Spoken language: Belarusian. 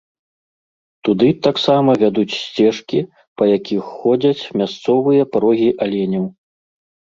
Туды таксама вядуць сцежкі, па якіх ходзяць мясцовыя па рогі аленяў.